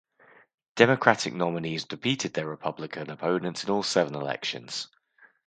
Democratic nominees defeated their Republican opponents in all seven elections.